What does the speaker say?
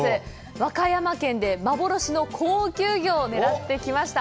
和歌山県で幻の高級魚を狙ってきました。